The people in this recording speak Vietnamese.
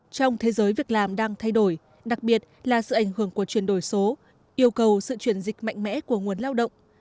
trong thế giới việc làm đang thay đổi đặc biệt là sự ảnh hưởng của chuyển đổi số yêu cầu sự chuyển dịch mạnh mẽ của nguồn lao động